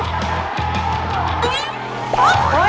อุ๊ยเสียงมาก